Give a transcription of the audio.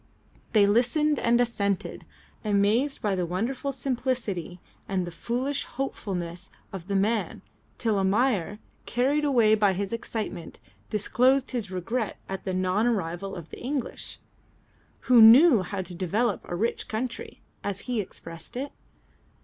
They listened and assented, amazed by the wonderful simplicity and the foolish hopefulness of the man, till Almayer, carried away by his excitement, disclosed his regret at the non arrival of the English, "who knew how to develop a rich country," as he expressed it.